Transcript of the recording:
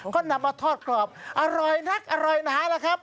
ก็นำมาทอดกรอบอร่อยนักอร่อยหนาล่ะครับ